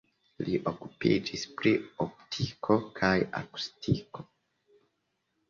Li okupiĝis pri optiko kaj akustiko.